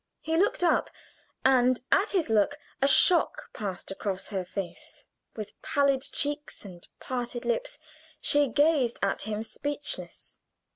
He looked up, and at his look a shock passed across her face; with pallid cheeks and parted lips she gazed at him speechless.